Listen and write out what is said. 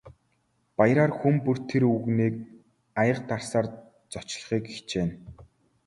Баяраар хүн бүр тэр өвгөнийг аяга дарсаар зочлохыг хичээнэ.